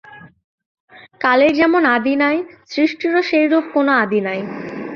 কালের যেমন আদি নাই, সৃষ্টিরও সেইরূপ কোন আদি নাই।